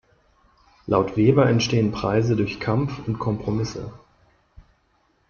Laut Weber entstehen Preise durch Kampf und Kompromisse.